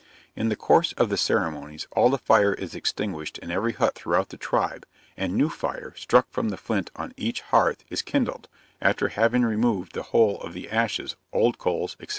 In the course of the ceremonies, all the fire is extinguished in every hut throughout the tribe, and new fire, struck from the flint on each hearth, is kindled, after having removed the whole of the ashes, old coals, &c.